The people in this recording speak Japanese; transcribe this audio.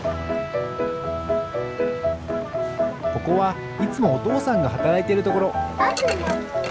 ここはいつもおとうさんがはたらいているところ。